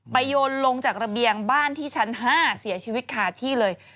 โยนลงจากระเบียงบ้านที่ชั้น๕เสียชีวิตคาที่เลย